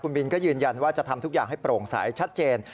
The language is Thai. บินก็ยืนยันว่าจะทำทุกอย่างให้โปร่งใสชัดเจน